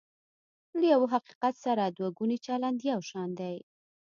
له یوه حقیقت سره دوه ګونی چلند یو شان دی.